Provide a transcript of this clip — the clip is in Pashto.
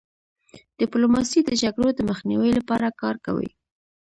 ډيپلوماسي د جګړو د مخنیوي لپاره کار کوي.